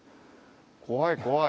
怖い怖い。